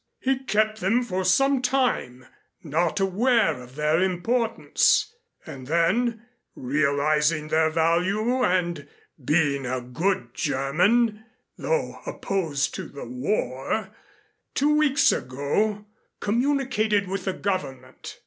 He kept them for some time, not aware of their importance, and then realizing their value and being a good German, though opposed to the war, two weeks ago communicated with the Government.